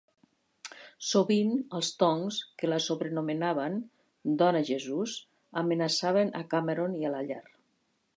Sovint, els Tongs, que la sobrenomenaven "Dona Jesús", amenaçaven a Cameron i a la llar.